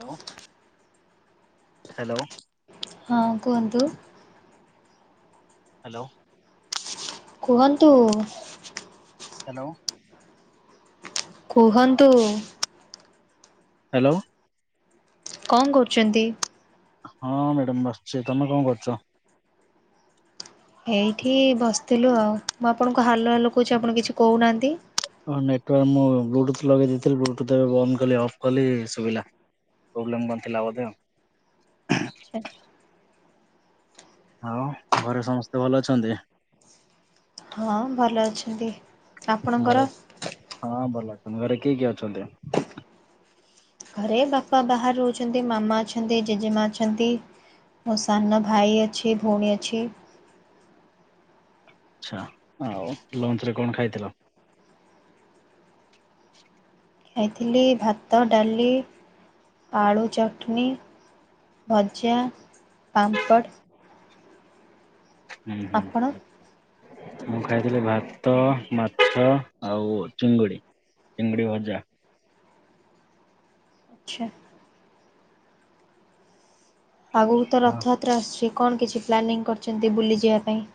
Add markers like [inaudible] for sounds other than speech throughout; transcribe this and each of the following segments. ହ୍ୟାଲ hello ହଁ କୁହନ୍ତୁ। Hello. କୁହନ୍ତୁ? ହାଲୋ। କୁହନ୍ତୁ? ହାଲୋ। କ କରୁଛନ୍ତି? ହଁ ମ୍ୟାଡ଼ାମ୍ ବସିଚି ତମେ କଁ କରୁଚ? ଏଇଠି ବସିଥିଲୁ ଆଉ ମୁଁ ଆପଣଙ୍କୁ ହାଲୋ ହାଲୋ କହୁଚି ଆପଣ କିଛି କହୁନାହାଁନ୍ତି? ହଁ ନେଟୱାର୍କ ମୁଁ ବ୍ଲୁଟୁଥ ଲଗେଇ ଦେଇ ଥିଲି ବ୍ଲୁଟୁଥ ଏବେ ବନ୍ଦ କଲି ଅଫ୍ କଲି ଶୁବିଲା। ପ୍ରୋବ୍ଲେମ୍ କଁ ଥିଲା ବୋଧେ ଆଉ। ଆଚ୍ଛା। ଆଉ ଘରେ ସମସ୍ତେ ଭଲ ଅଛନ୍ତି? ହଁ ଭଲ ଅଛନ୍ତି ଘରେ ଆପଣଙ୍କର? ହଁ ଭଲ ଅଛନ୍ତି ଘରେ କିଏ କିଏ ଅଛନ୍ତି? ଘରେ ବାପା ବାହାରେ ରହୁଛନ୍ତି ମାମା ଅଛନ୍ତି ଜେଜେମା ଅଛନ୍ତି। ମୋ ସାନ ଭାଇ ଅଛି ଭଉଣୀ ଅଛି। ଆଚ୍ଛା ଆଉ ଲଞ୍ଚରେ କଣ ଖାଇଥିଲ? ଖାଇଥିଲି ଭାତ ଡାଲି ଆଳୁ ଚଟନୀ ଭଜା, ପାମ୍ପଡ଼। ଉଁ ଆପଣ? ହୁଁ। ମୁଁ ଖାଇଥିଲି ଭାତ ମାଛ ଆଉ ଚିଙ୍ଗୁଡ଼ି। ଚିଙ୍ଗୁଡ଼ି ଭଜା। ଆଚ୍ଛା। ଆଗକୁତ ହଁ ରଥଯାତ୍ରା ଆସୁଛି କଣ କିଛି ପ୍ଲାନିଂ କରିଚନ୍ତି ବୁଲିଯିବା ପାଇଁ?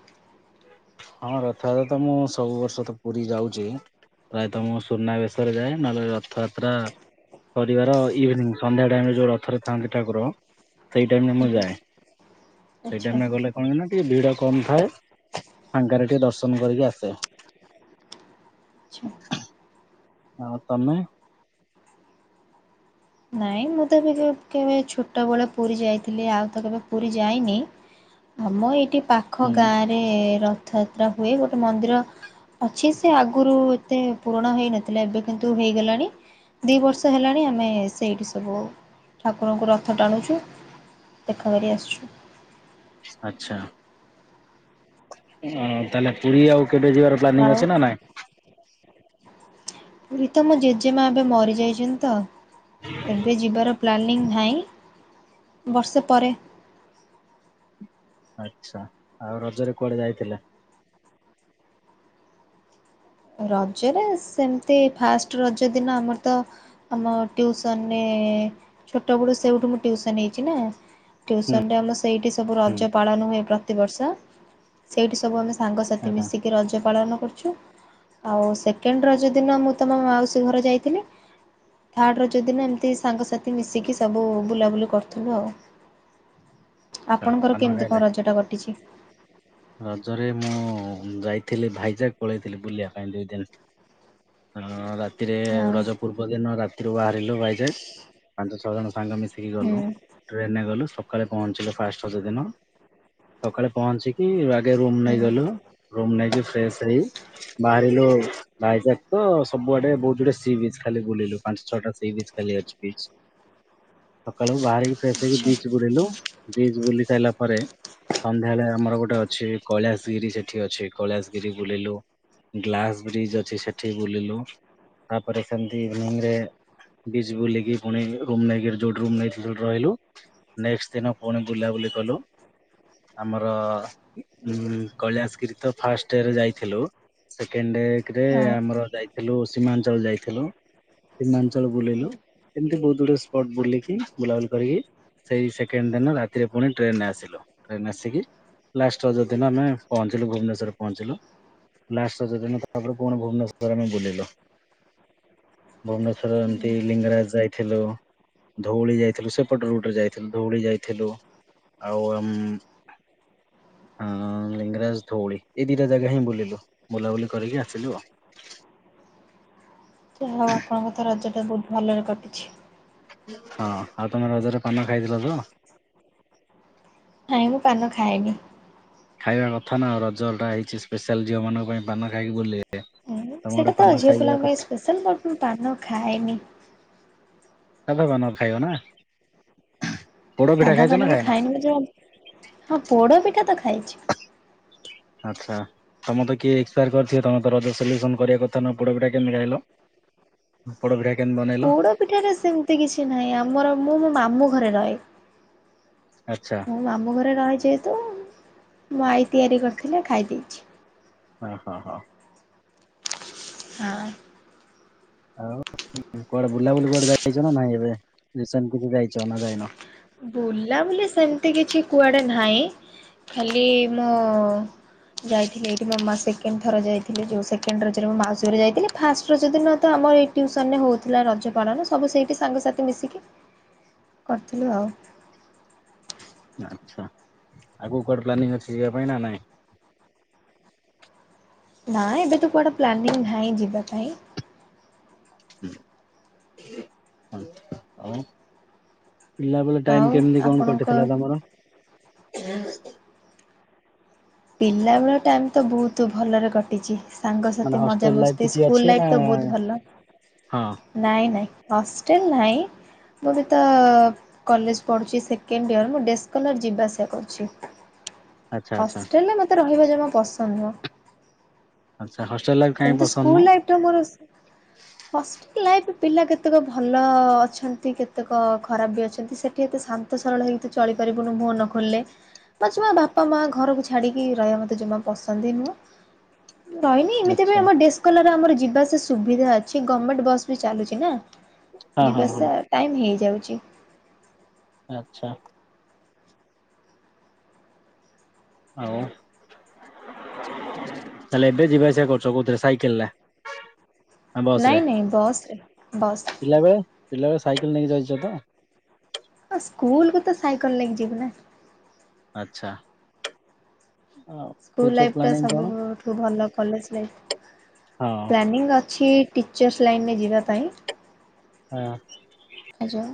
ହଁ ରଥଯାତ୍ରାର ମୁଁ ସବୁ ବର୍ଷତ ପୁରୀ ଯାଉଚି। ପ୍ରାୟତଃ ମୁଁ ସୁନାବେଶରେ ଯାଏ ନହେଲେ ରଥଯାତ୍ରା ପରିବାର ଇଭିନିଂ ସନ୍ଧ୍ୟା ଟାଇମରେ ଯୋଉ ରଥରେ ଥାଆନ୍ତି ଠାକୁର ସେଇ ଟାଇମରେ ମୁଁ ଆଜ୍ଞା ଯାଏ ସେଇ ଆଚ୍ଛା ଟାଇମରେ ଗଲେ କଣକିନା ଟିକେ ଭିଡ଼ କମ୍ ଥାଏ ଫାଙ୍କାରେ ଟିକେ ଦର୍ଶନ କରିକି ଆସେ। ଆଚ୍ଛା। ଆଉ ତମେ? ନାଇଁ ମୁଁତବି କେବେ ଛୋଟବେଳେ ପୁରୀ ଯାଇଥିଲି ଆଉତ କେବେ ପୁରୀ ଯାଇନି ଆମ ଏଇଠି ପାଖ ହୁଁ ଗାଁରେ ରଥଯାତ୍ରା ହୁଏ ଗୋଟେ ମନ୍ଦିର ଅଛି ସେଆଗରୁ ଏତେ ପୁୁରଣ ହେଇନଥିଲା ଏବେ କିନ୍ତୁ ହେଇଗଲାଣି ଦି ବର୍ଷ ହେଲାଣି ଆମେ ସେଇଠି ସବୁ ଠାକୁରଙ୍କୁ ରଥ ଟାଣୁଛୁ ଦେଖା କରି ଆସୁଛୁ। ଆଚ୍ଛା ଉଁ ତାହେଲେ ପୁରୀ ଆଉ କେବେ ଯିବାର ପ୍ଲାନିଂ ଆଉ ଅଛି ନାଇଁ? ପୁରୀତ ମୋ ଜେଜେମା ଏବେ ମରି ଯାଇଚନ୍ତିତ ଏବେ ଯିବାର ପ୍ଲାନିଂ ନାହିଁ ବର୍ଷେ ପରେ ଆଚ୍ଛା ଆଉ ରଜରେ କୁଆଡ଼େ ଯାଇଥିଲେ? ରଜରେ ସେମିତି ଫାଷ୍ଟେ ରଜ ଦିନ ଆମରତ ଆମ ଟିଉସନରେ ଛୋଟ ବେଳୁ ସେଇଠୁ ମୁଁ ୍ୟଉସନ୍ ହେଇଚିନା ହୁଁ ଟ୍ୟୁସନରେ ଆମର ସେଇଠି ସବୁ ହୁଁ ରଜ ପାଳନ ହୁଏ ପ୍ରତିବର୍ଷ ସେଇଠି ସବୁ ଆମେ ସାଙ୍ଗସାଥି ଆଚ୍ଛା ମିଶିକି ରଜ ପାଳନ କରୁଚୁ ଆଉ ସେକେଣ୍ଡ ରଜ ଦିନ ମୁଁ ତମ ମାଉସୀ ଘରେ ଯାଇଥିଲି ଥାର୍ଡ଼ର ରଜଦିନ ଏମିତି ସାଙ୍ଗସାଥି ମିଶିକି ସବୁ ବୁଲାବୁଲି କରୁଥିଲୁ ଆଉ। ଆଚ୍ଛା। ଆପଣଙ୍କର ପାନ କେମିତି ଖାଇଲେ? କଣ ରଜ ଟା କଟିଛି। ରଜରେ ମୁଁ ଯାଇଥିଲି ଭାଇଜାକ୍ ପଳେଇଥିଲି ବୁଲିବା ପାଇଁ ଦୁଇ ଦିନ ହ ରାତିରେ ହଁ ରଜ ପୂର୍ବ ଦିନ ରାତିରୁ ବାହାରିଲୁ ଭାଇଜାକ, ପାଞ୍ଚ ଛଅ ଜଣ। ସାଙ୍ଗ ମିଶିକି ହୁଁ ଗଲୁ ଟ୍ରେନରେ ଗଲୁ ସୁ ସକାଳେ ପହଞ୍ଚିଲୁ ଫାଷ୍ଟ ପ୍ରତି ଦିନ, ସକାଳେ ପହଞ୍ଚିକି ଆଗେ ରୁମ ହୁଁ ନେଇଗଲୁ। ରୁମ ନେଇ କି ଫ୍ରେସ ହେଇ ବାହାରିଲୁ ଭାଇଜାକ ତ ସବୁଆଡେ ବହୁତ ଗୁଡେ ସି ବିଚ ଖାଲି ବୁଲିଲୁ। ପାଞ୍ଚ ଛଅଟା ସି ବିଚ ଖାଲି ଅଛି। ବିଚ ସକାଳୁ ବାହାରି ଫ୍ରେସ ସେଇକି ଆଚ୍ଛା ବିଚ ବୁଲିଲୁ, ବିଚ ବୁଲି ସାରିଲା ପରେ ସନ୍ଧ୍ୟାବେଳେ ଆମର ଗୋଟେ ଫୋଟୋ ଅଛି, କୈଳାଶଗିରି ସେଠି ଅଛି। କୈଳାଶଗିରି ବୁଲିଲୁ ଗ୍ଲାସ ବ୍ରିଜ ଅଛି ସେଠି ବୁଲିଲୁ, ତାପରେ ସେମିତି ଇଭିନିଙ୍ଗ ରେ ବିଜ ବୁଲିକି ପୁଣି ରୁମ୍ ନେଇକି ଯୋଉଠି ରୁମ ନେଇ ଥିଲୁ ରହିଲୁ। ନେକ୍ସଟ ଦିନ ପୁଣି ବୁଲାବୁଲି କଲୁ। ଆମର କୈଳାଶଗିରି ତ ଫାଷ୍ଟରେ ଯାଇଥିଲୁ। ସେକଣ୍ଡରେ ରେ ହଁ। ଆମର ଯାଇଥିଲୁ ସୀମାଞ୍ଚଳ ଯାଇଥିଲୁ। ସୀମାଞ୍ଚଳ ବୁଲେଇଲୁ ହୁଁ ଏମିତି ବହୁତ ଗୁଡଏ ସ୍ପଟ ବୁଲିକି ବୁଲାବୁଲି କରିକି ସେଇ ସେକେଣ୍ଡ ଦିନ ରାତିରେ ପୁଣି ଟ୍ରେନରେ ଆସିଲୁ। ଟ୍ରେନ ଆସିକି ଲାଷ୍ଟ ରଜ ଦିନ ଆମେ ପହଞ୍ଚିଲୁ, ଭୁବନେଶ୍ଵରରେ ପହଞ୍ଚିଲୁ। ଲାଷ୍ଟ ରଜ ଦିନ ତାପରେ ପୁଣି ଭୁବନେଶ୍ଵରରେ ଆମେ ବୁଲିଲୁ। ଭୁବନେ ଶ୍ୱରନ୍ତି ଲିଙ୍ଗରାଜ ଯାଇ ଥିଲୁ। ଧଉଳି ଯାଇଥିଲୁ। ସେପଟ ରୁଟରେ ଯାଇଥିଲୁ। ଧଉଳି ଯାଇଥିଲୁ। ଆଉ ଆମ ହଁ ଲିଙ୍ଗରାଜ, ଧଉଳି ଏଇ ଦିଟା ଜାଗା ହିଁ ବୁଲିଲୁ, ବୁଲାବୁଲି କରିକି ଆସିଲୁ ଆଉ। ଯାହା ହଉ ଆପଣଙ୍କ ରଜଟା ବହୁତ ଭଲରେ କଟିଛି। ହଁ ଆଉ ତମେ ରଜରେ ପାନ ଖାଇଥିଲ ତ? ନାଇଁ, ମୁଁ ପାନ ଖାଏନି। ଖାଇବା କଥା ନା ରଜଟା ହେଇଛି ସ୍ପେଶାଲ ଝିଅମାନଙ୍କ ପାଇଁ ପାନ ଖାଇ ବୁଲିବେ। ତମେ ଗୋଟେ ସେଟା ତ ପାନ ଝିଅ ଖାଇବା ପିଲାଙ୍କ କଥା ପାଇଁ ସ୍ପେଶାଲ ପର୍ବ, ମୁଁ ପାନ ଖାଏନି। ଏବେ ପାନ ଖାଇବ ନା ପୋଡ ପିଠା ସାଧା ଖାଇଛ ନା ପାନ ବି ଖାଇନ? ଖାଇନି ଯେ, ହଁ ପୋଡ ପିଠା ତ ଖାଇଛି। ଆଚ୍ଛା ତମେ ତ କିଏ ଏକ୍ସାର କରିଥିବେ, ତମେ ତ ରଜ ସେଲିବ୍ରେଶନ କରିବା କଥା ନା, ପୋଡ଼ ପିଠା କେମିତି ଖାଇଲ। ପୋଡ଼ ପିଠା କେମିତି ବନେଇଲ? ପୋଡ ପିଠାରେ ସେମିତି କିଛି ନାହିଁ, ଆମର ମୁଁ ମୋ ମାମୁଁ ଘରେ ରହେ। ଆଚ୍ଛା ମୁଁ ମାମୁଁ ଘରେ ରହେ ଯେହେତୁ, ମୋ ଆଈ ତିଆରି କରିଥିଲେ ଖାଇ ଦେଇଛି। ହଁ ହଁ ହଁ ହଁ ଆଉ କୁଆଡେ ବୁଲାବୁଲି କୁଆଡେ ଯାଇଛ ନା ନାଇଁ ଏବେ, ରିସେଣ୍ଟ କିଛି ଯାଇଛ ନା ଯାଇନ। ବୁଲା ବୁଲି ସେମିତି କିଛି କୁଆଡେ ନାହିଁ। ଖାଲି ମୁଁ ଯାଇଥିଲି, ଏଇଠି ମୋ ମାଆ ସେକେଣ୍ଡ ଥର ଯାଇଥିଲେ। ଯୋଉ ସେକେଣ୍ଡ ରଜ ମୋ ମାଉସୀ ଘରକୁ ଯାଇଥିଲି। ଫାଷ୍ଟ ରଜ ଦିନ ତ ଆମ ଏ ଟିଉସନରେ ହଉଥିଲା ରଜ ପାଳନ ସବୁ ସେଇଠି ସାଙ୍ଗସାଥି ମିଶିକି ହେଲୋ ଆଚ୍ଛା, ଆଗକୁ କଉ ପ୍ଲାନିଙ୍ଗ ଅଛି ଯିବା ପାଇଁ ନା ନାଇଁ। ନା ଏବେ ତ କୁଆଡଡେ ପ୍ଲାନିଂ ନାହିଁ ଯିବା ପାଇଁ। ହୁଁ ହ ଆଉ ପିଲାବେଳେ ଟାଇମ ଆଉ କେମିତି କଣ ଆପଣଙ୍କ କଟିଥିଲା ତମର? ପିଲାବେଳ ଟାଇମ୍ ତ ବହୁତ ଭଲରେ କଟିଚି। ମାନେ ସାଙ୍ଗସାଥି ହଷ୍ଟେଲ ଲାଇଫ ମଜାମସ୍ତି କିଛି ସ୍କୁଲ ଅଛି ନା ଲାଇଫ ତ ବହୁତ ଭଲ। ହଁ ନାଇଁ ନାଇଁ ହଷ୍ଟେଲ ନାହିଁ। ମୁଁ ବି ତ କଲେଜ ପଢ଼ୁଚି ସେକେଣ୍ଡ ଇୟର୍ ମୁଁ ଡେସ୍ କଲର୍ ଯିବା ଆସିବା କରୁଚି। ଆଚ୍ଛା ଆଚ୍ଛା। ଲେ ମତେ ରହିବା ଜମା ପସନ୍ଦ ନୁହଁ। ଆଚ୍ଛ ହଷ୍ଟଲ ଲାଇଫ କାଇଁ ସେମିତି ପସନ୍ଦ ସ୍କୁଲ ନୁହଁ ଲାଇଫ ମୋର ଲାଇଫ ପିଲା କେତେକ ଭଲ ଅଛନ୍ତି କେତେକ ଖରାପ ବି ଅଛନ୍ତି ସେଠି ଏତେ ଶାନ୍ତି ଏତେ ସରଳ ହେଇକି ତୁ ଚଳିପାରିବୁନୁ ମୁହ ନ ଖୋଲିଲେ। ତା ଛଡ଼ା ବାପା ମା ଘରକୁ ଛାଡିକି ରହିବ ମତେ ଜମା ପସନ୍ଦ ହି ନୁହଁ ରହନି। ତେବେ ଆଚ୍ଛା ଆମ ଡେସ୍କୋଲାର ଆମର ଯିବାସ ସୁବିଧା ଅଛି। ଗମେଣ୍ଟ ବସ୍ ବି ଚାଲୁଚି ନା। ହଁ ହଁ ହଁ। ଯିବାସବା ଟାଇମ ହେଇଯାଉଚି। ଆଛା। ଆଉ ତାଲେ ଏବେ ଯିବା ଆସିବା କରୁଚ କଉଥିରେ ସାଇକେଲରେ? ହ ବସ ରେ। ନାଇଁ ନାଇଁ ବସ୍ ରେ ବସ୍ ପିଲାବେେଳେ ପିଲାବେଳେ ସାଇକେଲ ନେଇକି ଯାଇଚ ତ? ଆ ସ୍କୁଲ କୁ ତ ସାଇକେଲ ନେଇକି ଯିବି ନା। ଆଚ୍ଛା। ଆଉ ସ୍କୁଲ ଫ୍ୟୁଚର ଲାଇଫ ଟା ପ୍ଲାନିଂ କଣ? ସବୁଠୁ ଭଲ କଲେଜ ଲାଇଫ ହଁ ପ୍ଲାନିଙ୍ଗ ଅଛି। ଟିଚର୍ସ ଲାଇନ୍ରେ ଯିବା ପାଇଁ। ହଁ। ଆ ଯୋ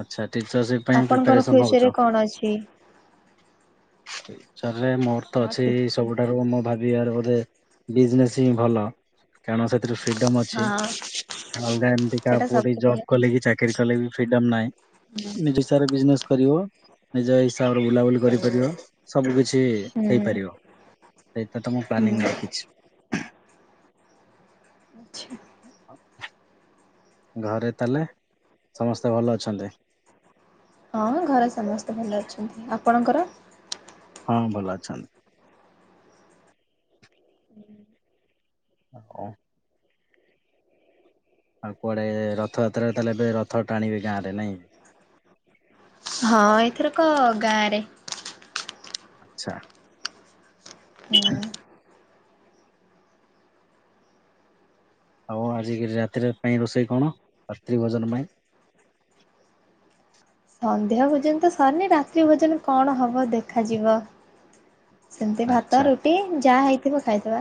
ଆଚ୍ଛା ଟିଚରସ ଡେ ପାଇଁ ଆପଣଙ୍କର ପ୍ରିପାରେସନ ଫ୍ୟୁଚର ରେ ହଉଚ। କଣ ଅଛି? ଫ୍ୟୁଚର ରେ ମୋର ତ ହଁ ଅଛି ଟି ସବୁ ଟାର କୁ ମୁଁ ଭାବିବି ୟାର ବୋଧେ ବିଜନେସ ହିଁ ଭଲ କାରଣ ସେଥିରୁ ଫିଡମ ଅଛି। ହଁ ଅଲଗା ଏମିତି କାହା ସେଟା ପୁଅ ଠି ସବୁଠୁ ଜବ ଭଲ କଲେ କି ଚାକିରି କଲେ ବି ଫ୍ରିଡମ ନାହିଁ ନିଜ ଛା ରେ ବିଜନେସ କରିବ ନିଜ ହିସାବରେ ବୁଲାବୁଲି କରିପାରିବ। ସବୁ କିଛି ହୁଁ ହେଇପାରିବ। ହଁ ସେଇଟା ତ ମୁଁ ପ୍ଲାନିଂ ହୁଁ ରଖିଚି। ଆଛା। ଘରେ ତାହେଲେ ସମସ୍ତେ ଭଲ ଅଛନ୍ତି। ହଁ ଘରେ ସମସ୍ତେ ଭଲ ଅଛନ୍ତି। ଆପଣଙ୍କର ହଁ ଭଲ ଅଛନ୍ତି। ଓ ଆଉ କୁଆଡେ ରଥଯାତ୍ରାରେ ତାହେଲେ ଏବେ ରଥ ଟାଣିବେ ଗାଁରେ ନାଇଁ? ହଁ ଏଥର କ ଗାଁ ରେ। ଆଚ୍ଛା। ହୁଁ। ଆଉ ଆଜିି ରାତି ପାଇଁ ରୋଷେଇ କଣ ରାତ୍ରି ଭୋଜନ ପାଇଁ? ସନ୍ଧ୍ୟା ଭୋଜନ ତ ସରିନି। ରାତ୍ରି ଭୋଜନ କଣ ହବ ଦେଖାଯିବ। ସେମତି ଭାତ ଆଚ୍ଛା ରୁଟି ଯାହା ହେଇଥିବ ଖାଇଦବା।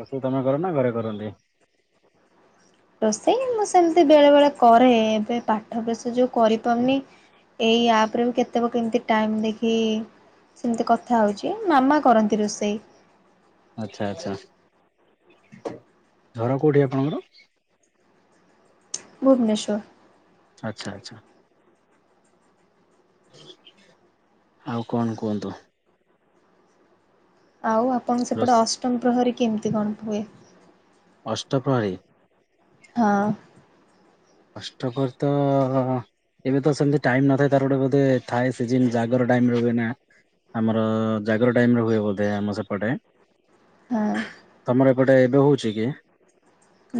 ରୋଷେଇ ତମେ କର ନା ଘରେ କରନ୍ତି। ରୋଷେଇ ମୁଁ ସେମିତି ବେଳେ ବେଳେ କରେ, ଏବେ ପାଠ ପ୍ରେସର୍ ଯୋଗୁ କରିପାରୁନି। ଏଇ ଆପ ରେ ବି କେତେବେ କେମିତି ଟାଇମ ଦେଖି ସେମିତି କଥା ହେଉଛି। ମାମା କରନ୍ତି ରୋଷେଇ। ଆଚ୍ଛା ଆଚ୍ଛା। ଘର କୋଉଠି ଆପଣଙ୍କର। ଭୁବନେଶ୍ୱର। ଆଚ୍ଛା ଆଚ୍ଛା। ଆଉ କଣ କୁହନ୍ତୁ? ଆଉ ଆପଣ ସେପଟେ ରୋଷ୍ ଅଷ୍ଟମ ପ୍ରହରୀ କେମିତି କଣ ହୁଏ? ଅଷ୍ଟପ୍ରହରୀ। ହଁ। ଅଷ୍ଟ ପ୍ରହରୀ ତ ଏବେ ତ ସେମିତି ଟାଇମ ନଥାଏ ତାର ଗୋଟେ ବୋଧେ ଥାଏ ସିଜନ୍ ଜାଗର ଟାଇମ ହୁଏ ନା। ଆମର ଜାଗର ଟାଇମରେ ହୁଏ ବୋଧେ ଆମ ସେପଟେ। ହଁ। ତମର ଏପଟେ ଏବେ ହଉଛି କି?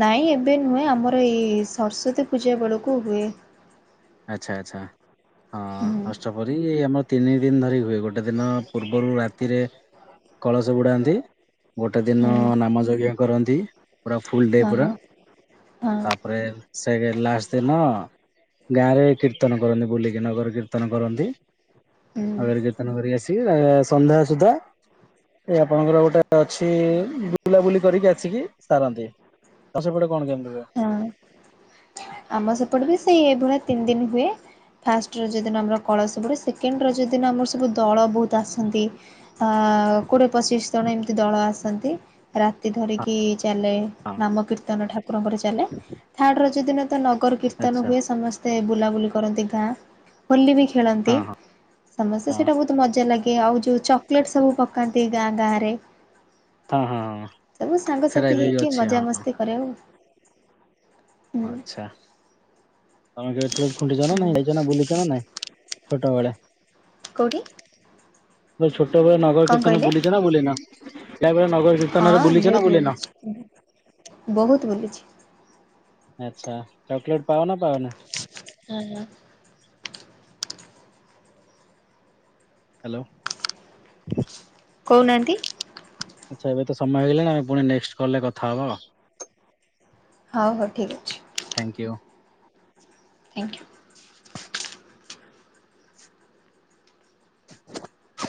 ନାଇଁ ଏବେ ନୁହେଁ। ଆମର ଏଇ ସରସ୍ଵତୀ ପୂଜା ବେଳକୁ ହୁଏ। ଆଚ୍ଛା ଆଚ୍ଛା। ହଁ। ହୁଁ ଅଷ୍ଟପ୍ରହରି ଏ ଆମର ତିନି ଦିନ ଧରି ହୁଏ। ଗୋଟେ ଦିନ ପୂର୍ବରୁ ରାତିରେ କଳସ ବୁଡାନ୍ତି। ଗୋଟେ ଦିନ ହୁଁ ନାମ ଯଜ୍ଞ କରନ୍ତି। ପୁରା ଫୁଲ ଡେ ହଁ ପୁରା। ହଁ ତାପ ତାପରେ ସେକେ ଲାଷ୍ଟ ଦିନ ଗାଁ ରେ କୀର୍ତ୍ତନ କରନ୍ତି ବୁଲିକି ନଗର କୀର୍ତ୍ତନ କରନ୍ତି। ହୁଁ ଆଗରେ କୀର୍ତନ କରିକି ଆସିକି ସନ୍ଧ୍ୟା ସୁଦ୍ଧା ଏ ଆପଣଙ୍କର ଗୋଟେ ଅଛି ବୁଲାବୁଲି କରିକି ଆସିକି ସାରନ୍ତି। ତ ସେପଟ କଣ କେମିତି ହୁଏ? ହଁ। ଆମ ସେପଟ ବି ସେଇ ଏଇଭଳିଆ ତିନି ଦିନ ହୁଏ। ଫାଷ୍ଟ ରଜ ଦିନ ଆମର କଳସ ବୁଡ଼େ। ସେକେଣ୍ଡ ରଜ ଦିନ ଆମର ସବୁ ଦଳ ବହୁତ ଆସନ୍ତି। ଅ କୋଡ଼ିଏ ପଚିଶି ଜଣ ଏମିତି ଦଳ ଆସନ୍ତି। ରା ଧରିକି ଚାଲେ ହଁ ନାମକୀର୍ତ୍ତନ ଠାକୁରଙ୍କର ଚାଲେ। ଥାର୍ଡ ରଜ ଦିନ ତ ନଗର କୀର୍ତ୍ତନ ଆଚ୍ଛା ହୁଏ ସମସ୍ତେ ବୁଲାବୁଲି କରନ୍ତି ଗାଁ। ହୋଲି ବି ଖେଳନ୍ତି। ହଁ ହଁ ସମସ୍ତେ ହଁ ସେଇଟା ବହୁତ ମଜା ଲାଗେ। ଆଉ ଯୋଉ ଚକୋଲେଟ ସବୁ ପକାନ୍ତି ଗାଁ ଗାଁ ରେ। ହଁ ହଁ ହଁ ସବୁ ସେଇଟା ସାଙ୍ଗସାଥି ଏବେ ବି ହେଇକି ଅଛି ହଁ ମଜା ମସ୍ତି କରେ ଆଉ। ଆଚ୍ଛା। ତମ [inaudible] ଖୁଣ୍ଟିଛ ହୁଁ ଯାଇଚ ନା ବୁଲିଚ ନା ନାଇଁ। ଛୋଟବେଳେ। କଉଠି? ଛୋଟ ବେଳେ ନଗର କୀର୍ତ୍ତନ କହିଲେ? ବୁଲିଚ ନା ବୁଲିନ? ଯା ବଳେ ନଗର କୀର୍ତନରେ ହଁ ବୁଲିଛ ନା ବହୁତ ବୁଲିନ? ବହୁତ ବୁଲୁଚି। ଆଚ୍ଛା। ଚକଲେଟ ପାଓନା ପାଉନି? ହଁ ହଁ। ହ୍ୟାଲୋ। କଉନାଆନ୍ତି। ଆଚ୍ଛା ଏବେ ତ ସମୟ ହେଇଗଲାଣି, ଆମେ ପୁଣି ନେକ୍ସଟ୍ କଲରେ କଥା ହବା ଆଉ। ହଉ ହଉ ଠିକ୍ ଅଛି। ଥାଇଁକ୍ୟୁ। ଥ୍ୟାଙ୍କୟୁ। [inaudible]